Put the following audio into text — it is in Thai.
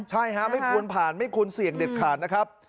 ใช่ฮะไม่ควรผ่านไม่ควรเสี่ยงเด็ดขาดนะครับ